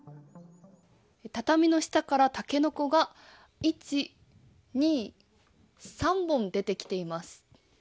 畳の下からタケノコが１、２、３本出てきています。